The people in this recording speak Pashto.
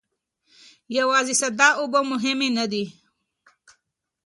یوازې ساده اوبه مهمې نه دي.